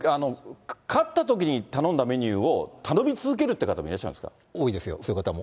勝ったときに頼んだメニューを頼み続けるって方もいらっしゃるん多いですよ、そういう方も。